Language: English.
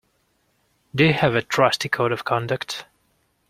Do you have a trustee code of conduct?